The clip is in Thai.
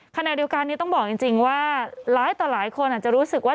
ขณะเดียวกันนี้ต้องบอกจริงว่าหลายต่อหลายคนอาจจะรู้สึกว่า